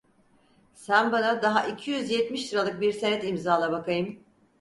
Sen bana daha iki yüz yetmiş liralık bir senet imzala bakayım…